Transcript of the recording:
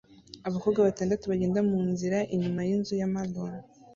abakobwa batandatu bagenda munzira inyuma yinzu ya maroon